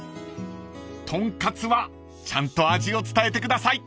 ［とんかつはちゃんと味を伝えてください］